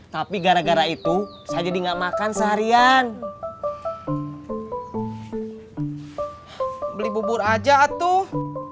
tapi gara gara itu saya jadi nggak makan seharian beli bubur aja atuh